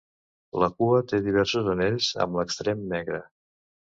La cua té diversos anells amb l'extrem negre.